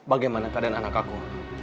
anak anakku dan anakku